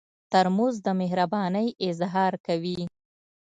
ترموز د مهربانۍ اظهار کوي.